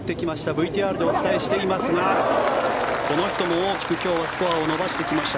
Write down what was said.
ＶＴＲでお伝えしていますがこの人も大きく今日はスコアを伸ばしてきました。